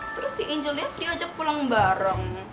terus si injol dia serius ajak pulang bareng